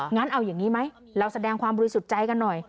งั้นเอาอย่างนี้ไหมเราแสดงความบริสุทธิ์ใจกันหน่อย